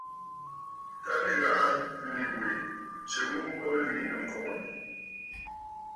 Tâ nɨ̀ghàꞌà nì wè tswe ghu mbo, ǹlwìꞌì nɨ̂ŋkoŋə̀.